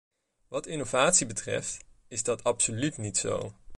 Wat innovatie betreft, is dat absoluut niet zo.